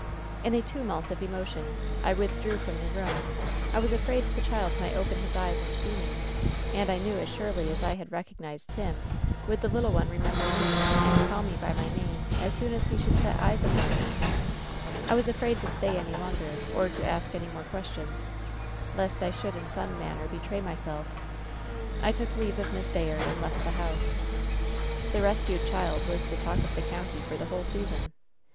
"In a tumult of emotion I withdrew from the room. I was afraid the child might open his eyes and see me, and I knew as surely as I had recognized him would the little one remember me, and caU me by my name as soon as he should set eyes upon me. "I was afraid to stay any longer, or to ask any more 228 WHEN SHADOWS DIE questions, lest I should in some manner betray myself. I took leave of Miss Bayard, and left the house. "The rescued child was the talk of the county for the ^ whole season.